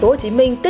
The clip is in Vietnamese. tiếp nhận điều trị